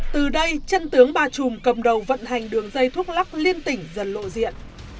từ đây chân tướng ba trùm cầm đầu vận hành đường dây thuốc lắc liên tỉnh dần lộ diện